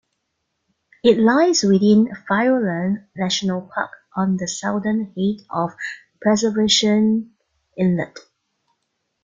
It lies within Fiordland National Park on the southern head of Preservation Inlet.